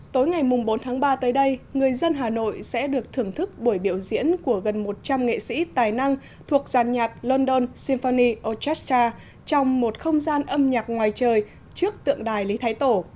tối ngày bốn tháng ba tới đây người dân hà nội sẽ được thưởng thức buổi biểu diễn của gần một trăm linh nghệ sĩ tài năng thuộc dàn nhạc london sinfoni ochasta trong một không gian âm nhạc ngoài trời trước tượng đài lý thái tổ